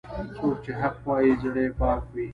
څوک چې حق وايي، زړه یې پاک وي.